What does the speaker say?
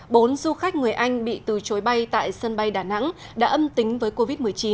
bốn du khách người anh bị từ chối bay tại sân bay đà nẵng đã âm tính với covid một mươi chín